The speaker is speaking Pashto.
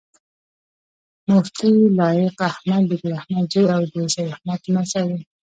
مفتي لائق احمد د ګل احمد زوي او د سيد محمد لمسی دی